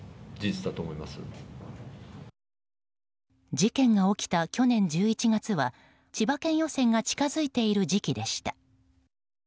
事件が起きた去年１１月は千葉県予選が近づいている時期でした。